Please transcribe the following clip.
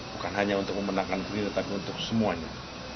bukan hanya untuk memenangkan pemilu tapi untuk semuanya